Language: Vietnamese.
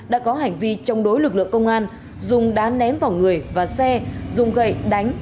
đã có hành vi chống đối lực lượng công an dùng đá ném vào người và xe dùng gậy đánh